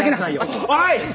おい！